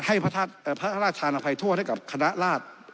ให้พระราชธานภัยโทษให้กับคณะราช